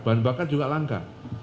bahan bakar juga langka